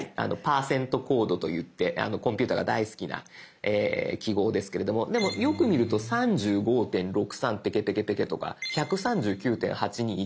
％コードといってコンピューターが大好きな記号ですけれどもでもよく見ると３５．６３ペケペケペケとか１３９．８２１